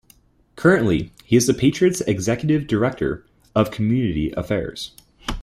Currently, he is the Patriots' executive director of community affairs.